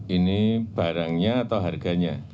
ini barangnya atau harganya